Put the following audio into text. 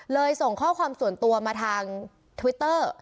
ส่งข้อความส่วนตัวมาทางทวิตเตอร์